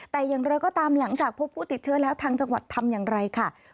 แต่อย่างไรก็ตามหลังจากพบผู้ติดเชื้อแล้วทางจังหวัดทำอย่างไรค่ะ